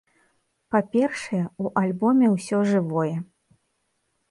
Па-першае, у альбоме ўсё жывое.